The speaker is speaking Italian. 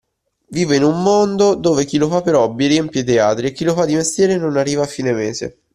Vivo in un mondo dove chi lo fa per hobby riempie i teatri e chi lo fa di mestiere non arriva a fine mese.